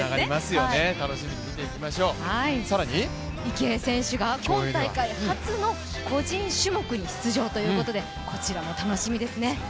池江選手が今大会初の個人種目に出場ということでこちらも楽しみですね。